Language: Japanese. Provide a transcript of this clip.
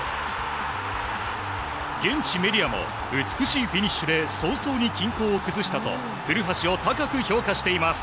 現地メディアも美しいフィニッシュで早々に均衡を崩したと古橋を高く評価しています。